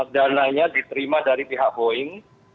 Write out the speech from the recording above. dananya diterima dari pihak boeing